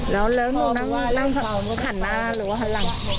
นั่งเล่นกันอยู่ตรงนั้นครับอ๋อนั่งเล่นแล้วแล้วนุ้งนั่งหันหน้าหรือว่าหันหลัง